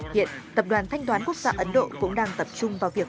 hiện tập đoàn thanh toán quốc gia ấn độ cũng đang tập trung vào việc